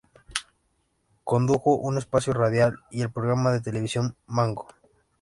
Condujo un espacio radial y el programa de televisión "Mango".